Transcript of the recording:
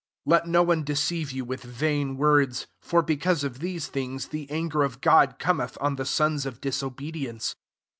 6 Let no one deceive you with vain words: for because of these things the anger of God Cometh on the sons of dis obedience.